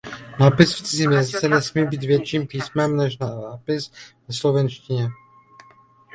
Nápis v cizím jazyce nesmí být větším písmem než nápis ve slovenštině.